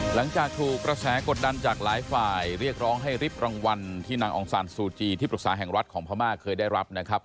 หลังจากถูกกระแสกดดันจากหลายฝ่ายเรียกร้องให้ริบรางวัลที่นางองซานซูจีที่ปรึกษาแห่งรัฐของพม่าเคยได้รับนะครับ